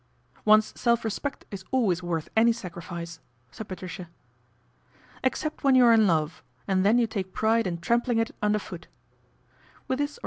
" One's self respect is always worth any sacri fice," said Patricia. "Except when you are in love, and then you take pride in trampling it under foot."